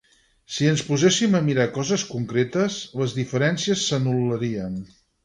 Si ens poséssim a mirar coses concretes, les diferències s’anul·larien.